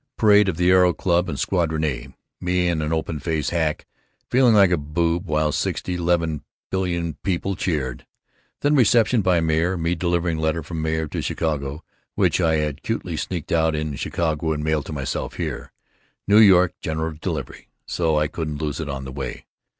Parade of the Aero Club and Squadron A, me in an open face hack, feeling like a boob while sixty leven billion people cheered. Then reception by mayor, me delivering letter from mayor of Chicago which I had cutely sneaked out in Chicago and mailed to myself here, N. Y. general delivery, so I wouldn't lose it on the way.